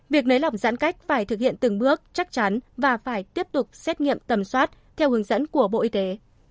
việc nới lỏng giãn cách phải thực hiện từng bước chắc chắn và phải tiếp tục xét nghiệm tầm soát theo hướng dẫn của bộ y tế